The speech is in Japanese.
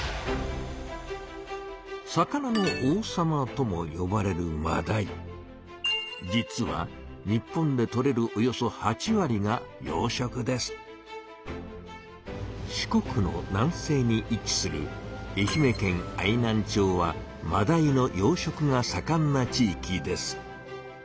「魚の王様」ともよばれる実は日本でとれるおよそ四国の南西に位置する愛媛県愛南町はマダイの養しょくがさかんな地いきです。